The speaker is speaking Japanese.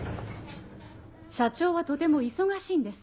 社長はとても忙しいんです。